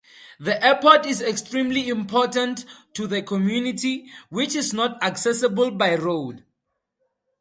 The airport is extremely important to the community, which is not accessible by road.